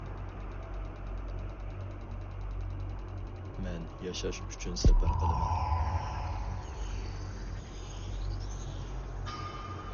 مەن ياشاش ئۈچۈن سەپەر قىلىمەن.